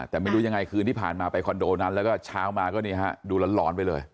แต่ไม่รู้ยังไงคืนที่ผ่านมาไปคอนโดนั้นแล้วก็เช้ามาก็นี่ฮะดูร้อนไปเลย